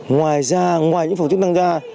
ngoài ra ngoài những phòng chức năng ra